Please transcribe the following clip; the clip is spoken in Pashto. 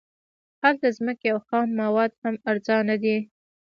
هلته ځمکې او خام مواد هم ارزانه دي